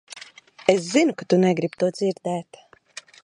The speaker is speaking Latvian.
Es zinu, ka tu negribi to dzirdēt.